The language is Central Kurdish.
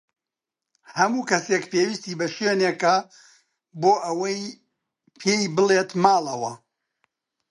هەموو کەسێک پێویستی بە شوێنێکە بۆ ئەوەی پێی بڵێت ماڵەوە.